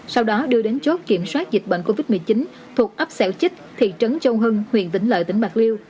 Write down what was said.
sau đó đưa đến chốt kiểm soát dịch bệnh covid một mươi chín thuộc ấp xẻo chích thị trấn châu hưng huyện vĩnh lợi tỉnh bạc liêu